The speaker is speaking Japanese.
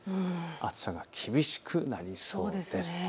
暑さが厳しくなりそうです。